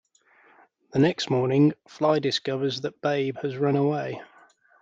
The next morning, Fly discovers that Babe has run away.